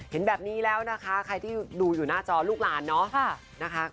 เห็นแบบนี้แล้วนะคะใครที่ดูอยู่หน้าจอลูกหลานเนาะนะคะ